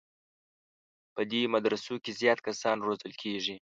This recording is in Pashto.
په دې مدرسو کې زیات کسان روزل کېږي.